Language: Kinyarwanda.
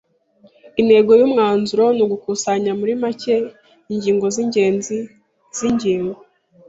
Intego yumwanzuro ni ugukusanya muri make ingingo zingenzi zingingo.